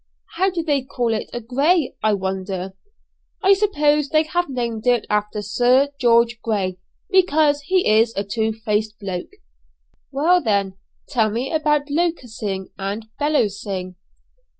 "How do they call it a 'grey,' I wonder?" "I suppose they have named it after Sir George Grey, because he is a two faced bloke." "Well then tell me about 'locusing,' and 'bellowsing.'"